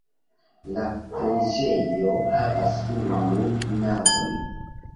La preĝejo havas unu navon.